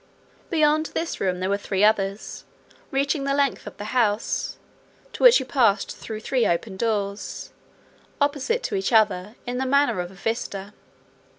Beyond this room there were three others, reaching the length of the house, to which you passed through three doors, opposite to each other, in the manner of a vista.